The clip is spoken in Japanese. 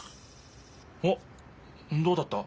おっどうだった？